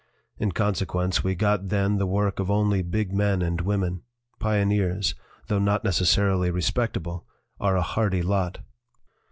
In consequence we got then the work of only big men and women. Pioneers though not neces sarily respectable are a hardy lot.